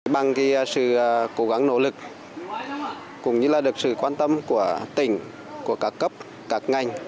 bằng sự cố gắng nỗ lực cũng như được sự quan tâm của tỉnh của các cấp các ngành